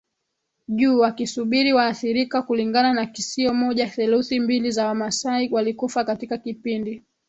juu wakisubiri waathirika Kulingana na kisio moja theluthi mbili za Wamaasai walikufa katika kipindi